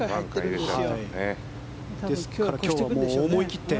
ですから今日は思い切って。